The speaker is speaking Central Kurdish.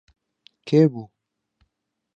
کێ بوو؟